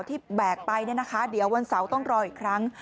แบกไปเนี่ยนะคะเดี๋ยววันเสาร์ต้องรออีกครั้ง